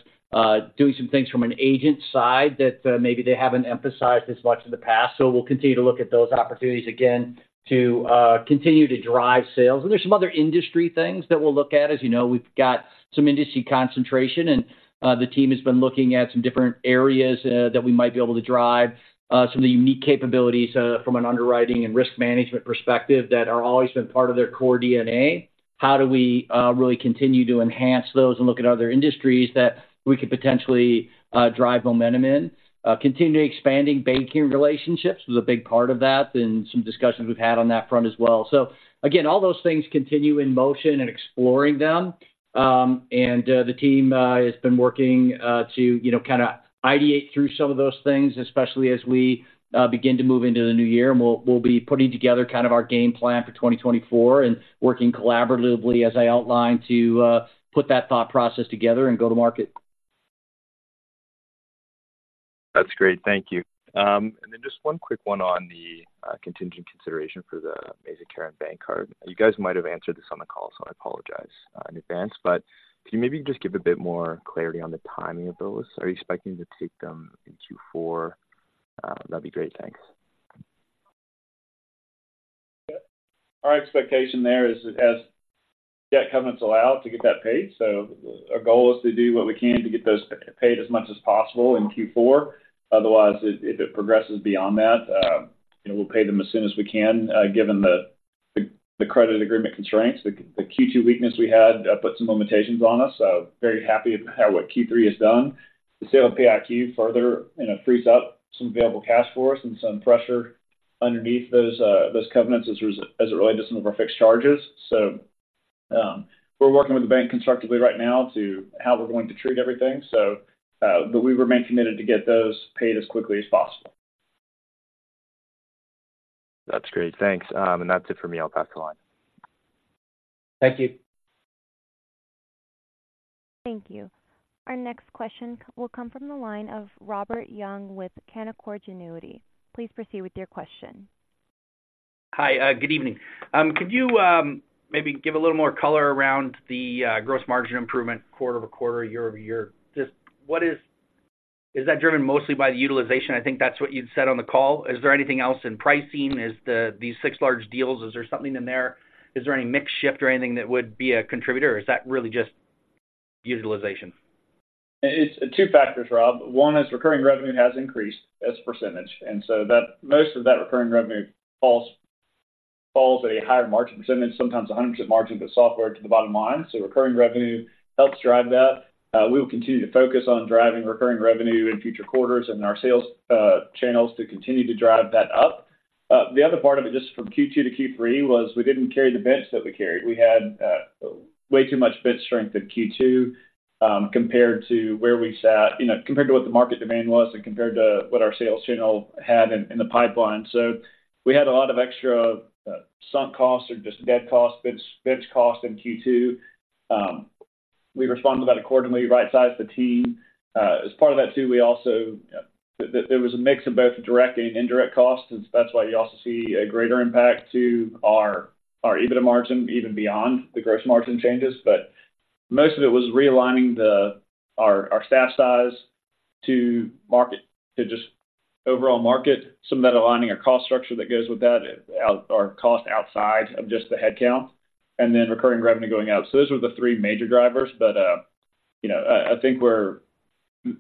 doing some things from an agent side that maybe they haven't emphasized as much in the past. So we'll continue to look at those opportunities again to continue to drive sales. And there's some other industry things that we'll look at. As you know, we've got some industry concentration, and, the team has been looking at some different areas, that we might be able to drive, some of the unique capabilities, from an underwriting and risk management perspective that are always been part of their core DNA. How do we, really continue to enhance those and look at other industries that we could potentially, drive momentum in? Continuing expanding banking relationships was a big part of that and some discussions we've had on that front as well. So again, all those things continue in motion and exploring them. And, the team, has been working, to, you know, kind of ideate through some of those things, especially as we, begin to move into the new year. We'll be putting together kind of our game plan for 2024 and working collaboratively, as I outlined, to put that thought process together and go to market. That's great. Thank you. And then just one quick one on the, contingent consideration for the Mazik and BankCard USA. You guys might have answered this on the call, so I apologize, in advance. But can you maybe just give a bit more clarity on the timing of those? Are you expecting to take them in Q4? That'd be great. Thanks. Our expectation there is as debt covenants allow to get that paid. So our goal is to do what we can to get those paid as much as possible in Q4. Otherwise, if it progresses beyond that, you know, we'll pay them as soon as we can, given the credit agreement constraints. The Q2 weakness we had put some limitations on us. So very happy at what Q3 has done. The sale of PayiQ further, you know, frees up some available cash for us and some pressure underneath those covenants as it relates to some of our fixed charges. So, we're working with the bank constructively right now to how we're going to treat everything, so, but we remain committed to get those paid as quickly as possible. That's great. Thanks. That's it for me. I'll pass the line. Thank you. Thank you. Our next question will come from the line of Robert Young with Canaccord Genuity. Please proceed with your question. Hi, good evening. Could you maybe give a little more color around the gross margin improvement quarter-over-quarter, year-over-year? Just what is? Is that driven mostly by the utilization? I think that's what you'd said on the call. Is there anything else in pricing? Is these six large deals, is there something in there? Is there any mix shift or anything that would be a contributor, or is that really just utilization? It's two factors, Rob. One is recurring revenue has increased as a percentage, and so most of that recurring revenue falls a higher margin percentage, sometimes 100% margin, but software to the bottom line. So recurring revenue helps drive that. We will continue to focus on driving recurring revenue in future quarters and our sales channels to continue to drive that up.... The other part of it, just from Q2 to Q3, was we didn't carry the bench that we carried. We had way too much bench strength in Q2, compared to where we sat—you know, compared to what the market demand was and compared to what our sales channel had in the pipeline. So we had a lot of extra sunk costs or just dead costs, bench cost in Q2. We responded to that accordingly, right-sized the team. As part of that too, we also—there was a mix of both direct and indirect costs. That's why you also see a greater impact to our EBITDA margin, even beyond the gross margin changes. But most of it was realigning our staff size to market, to just overall market, some of that aligning our cost structure that goes with that, or cost outside of just the headcount, and then recurring revenue going out. So those were the three major drivers. But you know, I think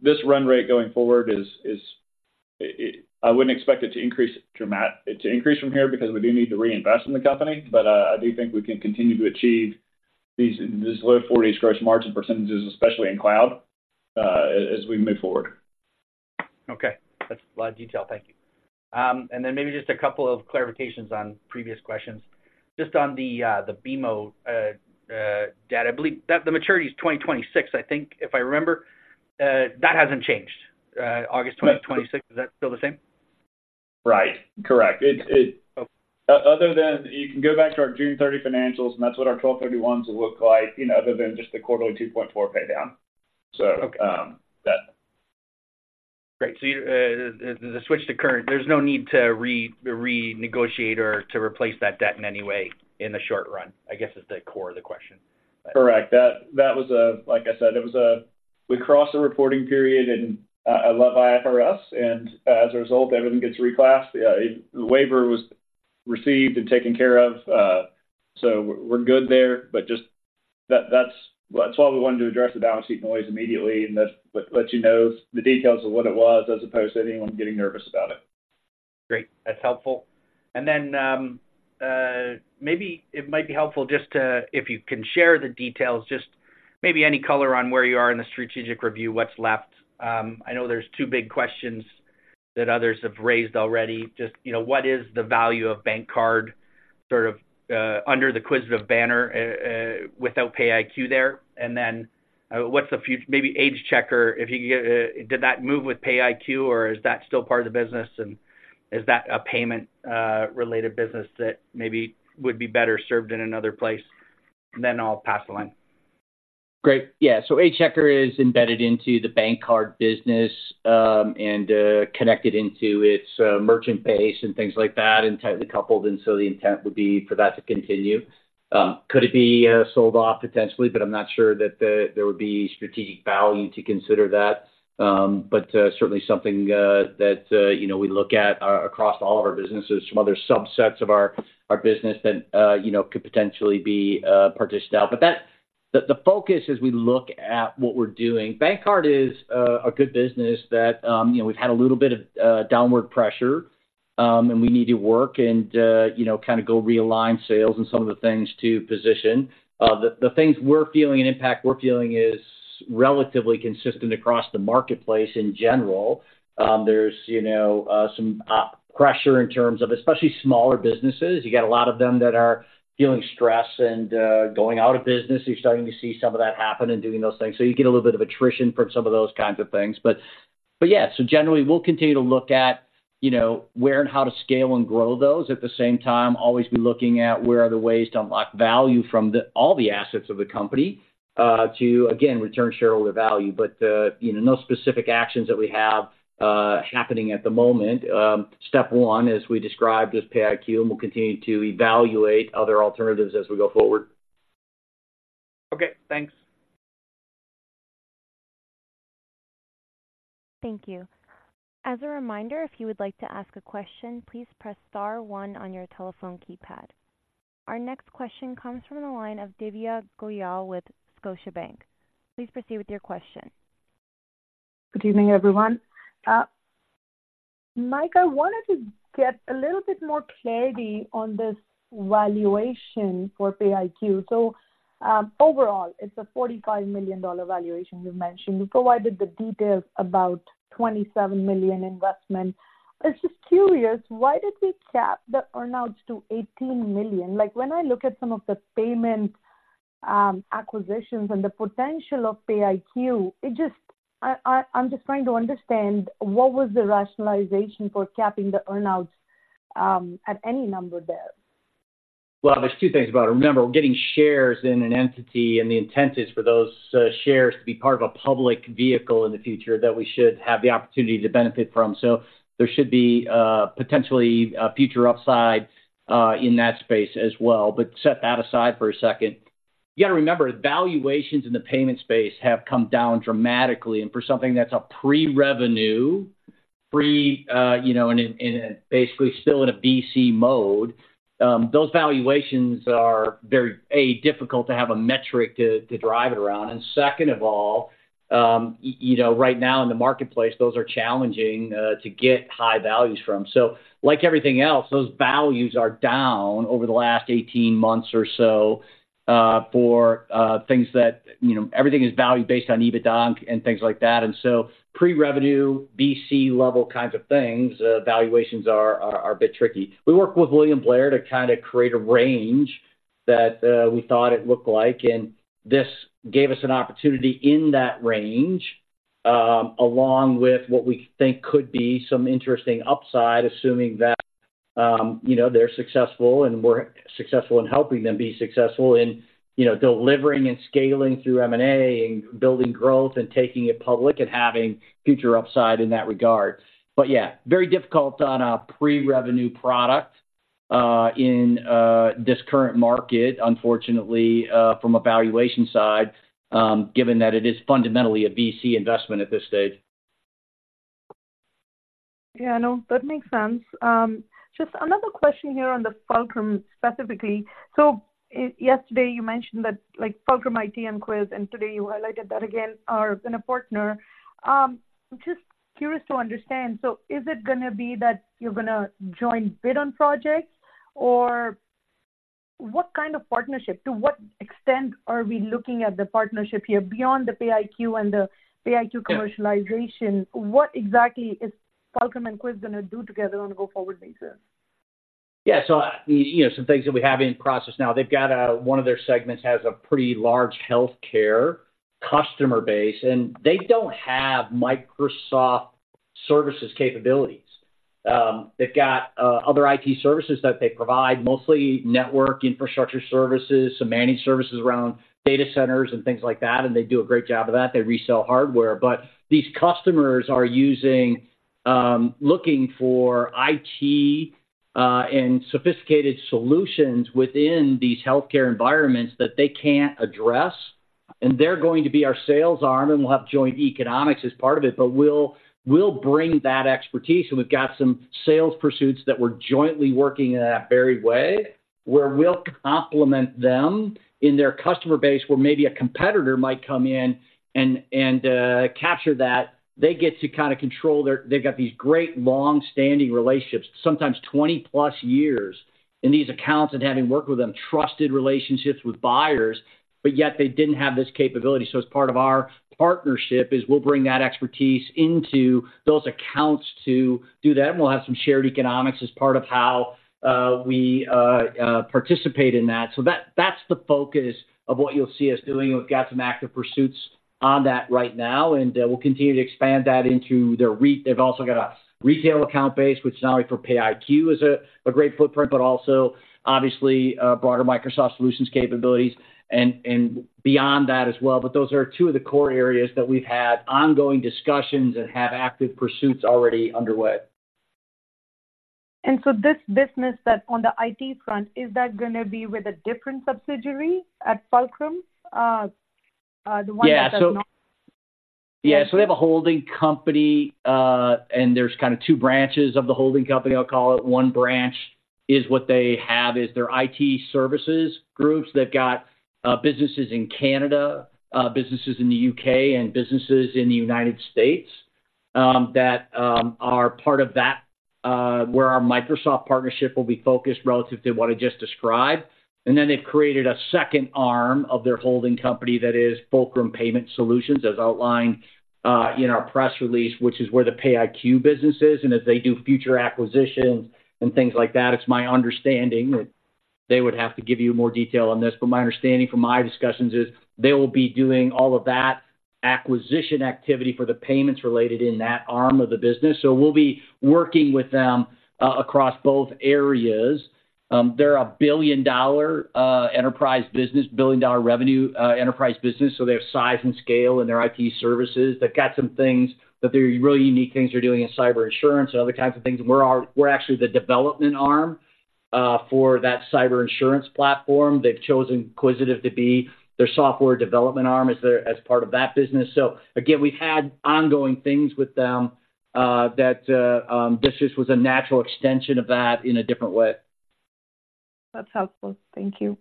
this run rate going forward is. I wouldn't expect it to increase dramatically from here because we do need to reinvest in the company. But I do think we can continue to achieve these low 40s gross margin percentages, especially in cloud, as we move forward. Okay, that's a lot of detail. Thank you. And then maybe just a couple of clarifications on previous questions. Just on the, the BMO debt, I believe that the maturity is 2026, I think, if I remember. That hasn't changed, August 2026, is that still the same? Right. Correct. It- Okay. Other than... You can go back to our June 30 financials, and that's what our 12/31s will look like, you know, other than just the quarterly $2.4 pay down. So, Okay. That. Great. So, the switch to current, there's no need to renegotiate or to replace that debt in any way in the short run, I guess, is the core of the question. Correct. That was, like I said, it was we crossed a reporting period in IFRS, and as a result, everything gets reclassed. The waiver was received and taken care of, so we're good there. But just that, that's why we wanted to address the balance sheet noise immediately and just let you know the details of what it was, as opposed to anyone getting nervous about it. Great. That's helpful. And then, maybe it might be helpful just to, if you can share the details, just maybe any color on where you are in the strategic review, what's left. I know there's two big questions that others have raised already. Just, you know, what is the value of BankCard sort of, under the Quisitive banner, without PayiQ there? And then, what's the maybe AgeChecker, if you could... Did that move with PayiQ, or is that still part of the business? And is that a payment related business that maybe would be better served in another place? And then I'll pass along. Great. Yeah. So AgeChecker is embedded into the BankCard business, and connected into its merchant base and things like that, and tightly coupled, and so the intent would be for that to continue. Could it be sold off? Potentially, but I'm not sure that there would be strategic value to consider that. But certainly something that you know, we look at across all of our businesses, some other subsets of our business that you know, could potentially be partitioned out. But the focus as we look at what we're doing, BankCard is a good business that you know, we've had a little bit of downward pressure, and we need to work and you know, kind of go realign sales and some of the things to position. The things we're feeling and impact we're feeling is relatively consistent across the marketplace in general. There's you know some pressure in terms of especially smaller businesses. You got a lot of them that are feeling stressed and going out of business. You're starting to see some of that happen and doing those things. So you get a little bit of attrition from some of those kinds of things. But yeah, so generally, we'll continue to look at you know where and how to scale and grow those. At the same time, always be looking at where are the ways to unlock value from all the assets of the company to again return shareholder value. But you know no specific actions that we have happening at the moment. Step one, as we described, is PayiQ, and we'll continue to evaluate other alternatives as we go forward. Okay, thanks. Thank you. As a reminder, if you would like to ask a question, please press star one on your telephone keypad. Our next question comes from the line of Divya Goyal with Scotiabank. Please proceed with your question. Good evening, everyone. Mike, I wanted to get a little bit more clarity on this valuation for PayiQ. So, overall, it's a $45 million valuation you mentioned. You provided the details about $27 million investment. I was just curious, why did we cap the earn-outs to $18 million? Like, when I look at some of the payment acquisitions and the potential of PayiQ, it just—I, I'm just trying to understand, what was the rationalization for capping the earn-outs at any number there? Well, there's two things about it. Remember, we're getting shares in an entity, and the intent is for those shares to be part of a public vehicle in the future that we should have the opportunity to benefit from. So there should be potentially a future upside in that space as well. But set that aside for a second. You got to remember, valuations in the payment space have come down dramatically, and for something that's a pre-revenue, pre, you know, and basically still in a VC mode, those valuations are very difficult to have a metric to drive it around. And second of all, you know, right now in the marketplace, those are challenging to get high values from. So like everything else, those values are down over the last 18 months or so, for things that... You know, everything is valued based on EBITDA and things like that. And so pre-revenue, VC level kinds of things, valuations are a bit tricky. We worked with William Blair to kind of create a range that we thought it looked like, and this gave us an opportunity in that range, along with what we think could be some interesting upside, assuming that, you know, they're successful, and we're successful in helping them be successful in, you know, delivering and scaling through M&A and building growth and taking it public and having future upside in that regard. But yeah, very difficult on a pre-revenue product in this current market, unfortunately, from a valuation side, given that it is fundamentally a VC investment at this stage. Yeah, I know. That makes sense. Just another question here on the Fulcrum specifically. So yesterday, you mentioned that, like, Fulcrum IT and Quisitive, and today you highlighted that again, are gonna partner. I'm just curious to understand, so is it gonna be that you're gonna join bid on projects? Or what kind of partnership, to what extent are we looking at the partnership here? Beyond the PayiQ and the PayiQ commercialization- Yeah. What exactly is Fulcrum and Quisitive gonna do together on a go-forward basis? Yeah. So, you know, some things that we have in process now. They've got a one of their segments has a pretty large healthcare customer base, and they don't have Microsoft services capabilities. They've got other IT services that they provide, mostly network infrastructure services, some managed services around data centers and things like that, and they do a great job of that. They resell hardware. But these customers are looking for IT and sophisticated solutions within these healthcare environments that they can't address, and they're going to be our sales arm, and we'll have joint economics as part of it. But we'll bring that expertise, and we've got some sales pursuits that we're jointly working in a very way, where we'll complement them in their customer base, where maybe a competitor might come in and capture that. They get to kind of control their. They've got these great long-standing relationships, sometimes 20-plus years, in these accounts, and having worked with them, trusted relationships with buyers, but yet they didn't have this capability. So as part of our partnership is we'll bring that expertise into those accounts to do that, and we'll have some shared economics as part of how we participate in that. So that, that's the focus of what you'll see us doing. We've got some active pursuits on that right now, and we'll continue to expand that into their re. They've also got a retail account base, which not only for PayiQ is a great footprint, but also obviously broader Microsoft solutions capabilities and beyond that as well. But those are two of the core areas that we've had ongoing discussions and have active pursuits already underway. So this business that's on the IT front, is that gonna be with a different subsidiary at Fulcrum? The one that does not- Yeah, so they have a holding company, and there's kind of two branches of the holding company, I'll call it. One branch is what they have is their IT services groups. They've got businesses in Canada, businesses in the U.K., and businesses in the United States, that are part of that, where our Microsoft partnership will be focused relative to what I just described. And then they've created a second arm of their holding company that is Fulcrum Payment Solutions, as outlined in our press release, which is where the PayiQ business is. And as they do future acquisitions and things like that, it's my understanding that they would have to give you more detail on this, but my understanding from my discussions is they will be doing all of that acquisition activity for the payments related in that arm of the business. So we'll be working with them across both areas. They're a billion-dollar enterprise business, billion-dollar revenue, enterprise business, so they have size and scale in their IT services. They've got some things that they're really unique things they're doing in cyber insurance and other kinds of things. We're actually the development arm for that cyber insurance platform. They've chosen Quisitive to be their software development arm as their, as part of that business. So again, we've had ongoing things with them that this just was a natural extension of that in a different way. That's helpful. Thank you.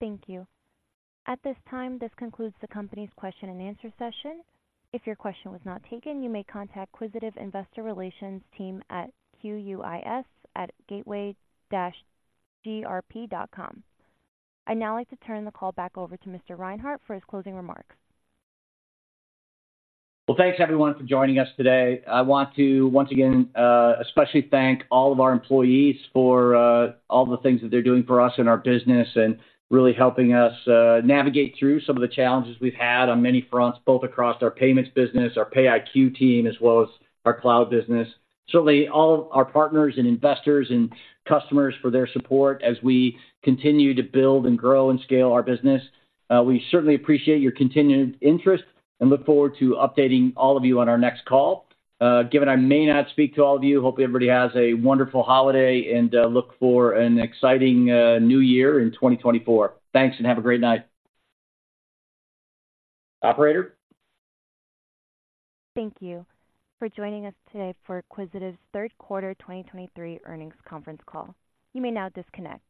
Thank you. At this time, this concludes the company's question-and-answer session. If your question was not taken, you may contact Quisitive Investor Relations team at quis@gateway-grp.com. I'd now like to turn the call back over to Mr. Reinhart for his closing remarks. Well, thanks, everyone, for joining us today. I want to once again, especially thank all of our employees for all the things that they're doing for us and our business and really helping us navigate through some of the challenges we've had on many fronts, both across our payments business, our PayiQ team, as well as our cloud business. Certainly, all of our partners and investors and customers for their support as we continue to build and grow and scale our business. We certainly appreciate your continued interest and look forward to updating all of you on our next call. Given I may not speak to all of you, hope everybody has a wonderful holiday and look for an exciting new year in 2024. Thanks, and have a great night. Operator? Thank you for joining us today for Quisitive's third quarter 2023 earnings conference call. You may now disconnect.